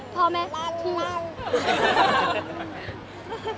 พ่อแม่ที่